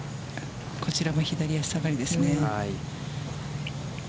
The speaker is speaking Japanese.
こちらも左足下がりですね。